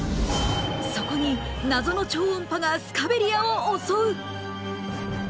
そこに謎の超音波がスカベリアを襲う！